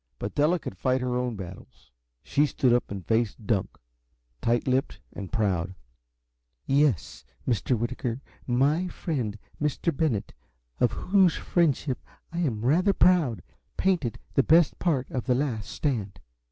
But Della could fight her own battles. She stood up and faced Dunk, tight lipped and proud. "Yes, Mr. Whitaker, my friend, Mr. Bennett, of whose friendship I am rather proud, painted the best part of 'The Last Stand.'"